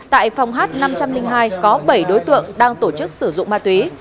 tại phòng h năm trăm linh hai có bảy đối tượng đang tổ chức sử dụng ma túy